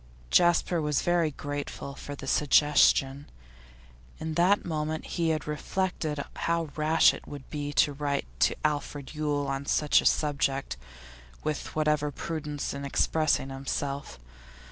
Jasper was very grateful for the suggestion. In that moment he had reflected how rash it would be to write to Alfred Yule on such a subject, with whatever prudence in expressing himself.